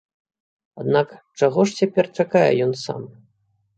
Аднак чаго ж цяпер чакае ён сам?